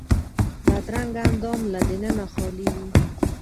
بدرنګه اندام له دننه خالي وي